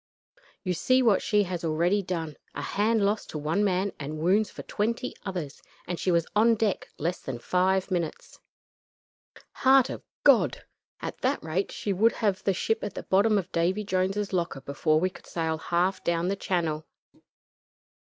You see what she has already done a hand lost to one man and wounds for twenty others and she was on deck less than five minutes. Heart of God! At that rate she would have the ship at the bottom of Davy Jones's locker before we could sail half down the channel."